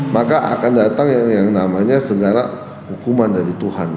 maka akan datang yang namanya segala hukuman dari tuhan